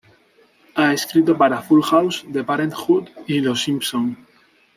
Ha escrito para "Full House", "The Parent 'Hood" y "Los Simpson".